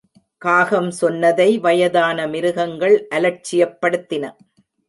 காகம் சொன்னதை வயதான மிருகங்கள் அலட்சியப்படுத்தின.